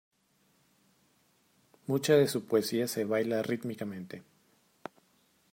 Mucha de su poesía se ´baila´ rítmicamente".